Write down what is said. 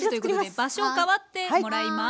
場所を代わってもらいます。